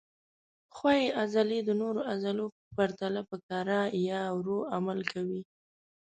ښویې عضلې د نورو عضلو په پرتله په کراه یا ورو عمل کوي.